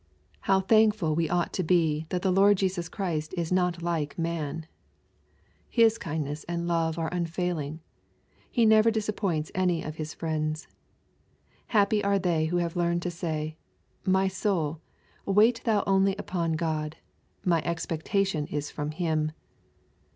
How thankful we LUKE, CHAP. X. 377 ought to be that the Lord Jesus Christ is not like man !.V His kindness and love are unfailing. He never disap points any, of His friends. Happy are they who have learned to say, ^' My soul, wait thou only upon God my expectation is from Him.''